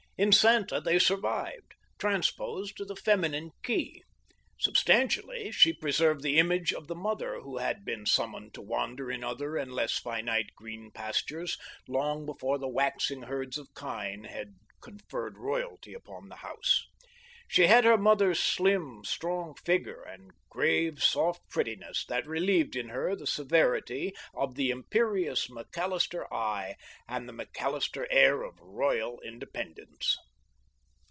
In Santa they survived, transposed to the feminine key. Substantially, she preserved the image of the mother who had been summoned to wander in other and less finite green pastures long before the waxing herds of kine had conferred royalty upon the house. She had her mother's slim, strong figure and grave, soft prettiness that relieved in her the severity of the imperious McAllister eye and the McAllister air of royal independence.